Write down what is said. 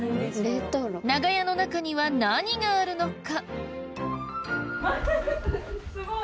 長屋の中には何があるのか？